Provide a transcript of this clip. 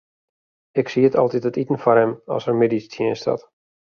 Ik sied altyd it iten foar him as er middeistsjinst hat.